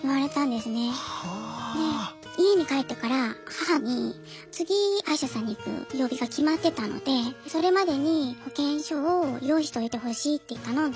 で家に帰ってから母に次歯医者さんに行く曜日が決まってたのでそれまでに保険証を用意しておいてほしいって頼んだんです。